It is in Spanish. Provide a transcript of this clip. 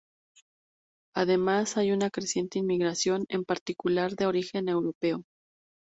Además hay una creciente inmigración, en particular de origen europeo.